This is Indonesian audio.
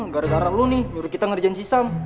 gara gara lo nih nyuruh kita ngerjain sisam